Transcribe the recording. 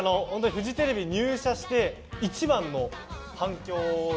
フジテレビ入社して一番の反響で。